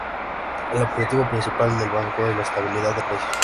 El objetivo principal del Banco es la estabilidad de precios.